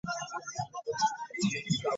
Bw'abadde aggulawo olusirika luno